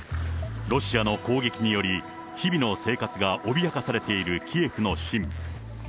ロシアの攻撃により、日々の生活が脅かされているキエフの市民。